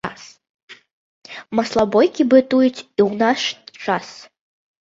Маслабойкі бытуюць і ў наш час.